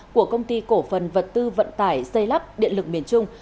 của công ty cổ phần vật tư vận tải xây lắp điện lực miền trung